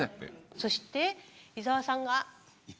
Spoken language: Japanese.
そして伊澤さんが。